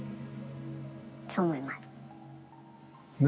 そう思います。ね？